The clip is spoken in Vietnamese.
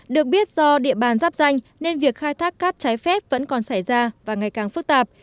được biết do địa bàn giáp danh nên việc khai thác cát trái phép vẫn còn xảy ra và ngày càng phức tạp